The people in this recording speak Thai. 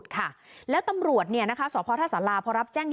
ต่ำรวจเนี่ยนะคะ